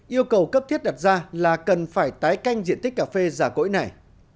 yêu cầu cấp thiết đặt ra là cần phải tái canh diện tích cà phê già cỗi này